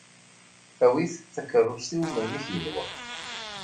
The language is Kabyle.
Awi-t takeṛṛust-iw melmi k-yehwa.